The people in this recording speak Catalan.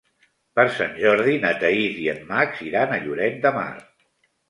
Per Sant Jordi na Thaís i en Max iran a Lloret de Mar.